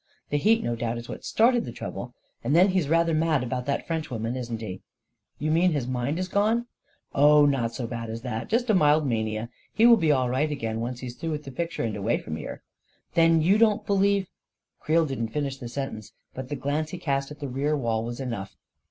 The heat no doubt is what started the trouble. And then he's rather mad about that Frenchwoman, isn't he?" 44 You mean his mind is gone ?"" Oh, not so bad as that — just a mild mania. He will be all right again, once he's through with the picture and away from here." 44 Then you don't believe ..." Creel didn't finish the sentence, but the glance he cast at the rear wall was enough.